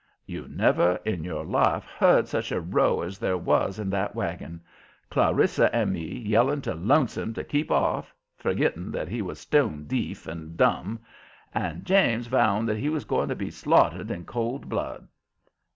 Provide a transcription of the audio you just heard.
You never in your life heard such a row as there was in that wagon. Clarissa and me yelling to Lonesome to keep off forgitting that he was stone deef and dumb and James vowing that he was going to be slaughtered in cold blood.